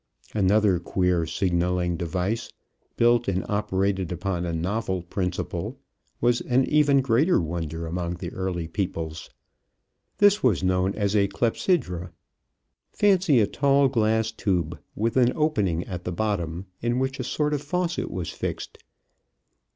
Another queer signaling device, built and operated upon a novel principle, was an even greater wonder among the early peoples. This was known as a clepsydra. Fancy a tall glass tube with an opening at the bottom in which a sort of faucet was fixed.